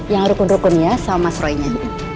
jangan rukun rukun ya sama mas roynya